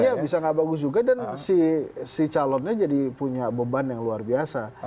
iya bisa gak bagus juga dan si calonnya jadi punya beban yang luar biasa